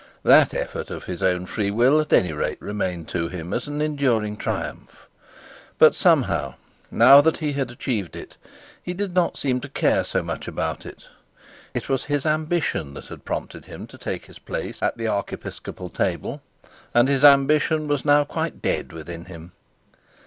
That effort of his own free will at any rate remained to him as an enduring triumph. But somehow, now that he had achieved it, he did not seem to care so much about it. It was his ambition that had prompted him to take his place at the arch episcopal table, and his ambition was now quite dead within him.